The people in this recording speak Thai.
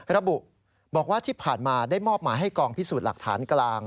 ระบุบอกว่าที่ผ่านมาได้มอบหมายให้กองพิสูจน์หลักฐานกลาง